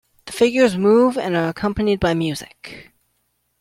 The figures move and are accompanied by music.